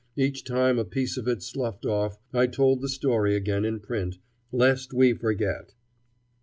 Each time a piece of it sloughed off, I told the story again in print, "lest we forget."